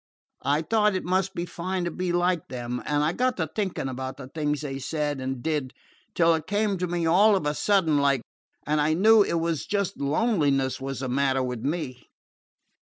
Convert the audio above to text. I thought it must be fine to be like them, and I got to thinking about the things they said and did, till it came to me all of a sudden like, and I knew it was just loneliness was the matter with me.